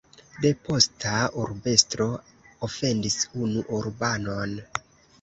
Despota urbestro ofendis unu urbanon.